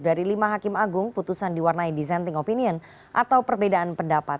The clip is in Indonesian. dari lima hakim agung putusan diwarnai dissenting opinion atau perbedaan pendapat